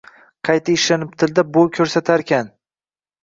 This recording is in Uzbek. Qayta ishlanib tilda, boʻy koʻrsatar ekan